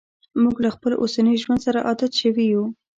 موږ له خپل اوسني ژوند سره عادت شوي یو.